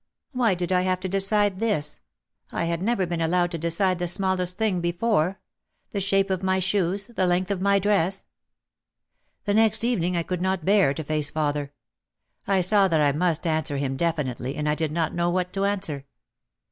"Why did I have to decide this? I had never been allowed to decide the smallest thing before — the shape of my shoes, the length of my dress." The next evening I could not bear to face father. I saw that I must answer him definitely and I did not know what to answer.